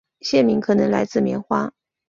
县名可能来自棉花。